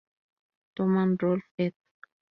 Toman, Rolf, ed.